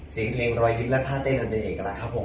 เสียงเพลงรอยยิ้มและท่าเต้นอันเป็นเอกลักษณ์ครับผม